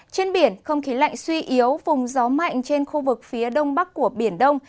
trên biển không khí lạnh suy yếu vùng gió mạnh trên khu vực phía đông bắc của biển đông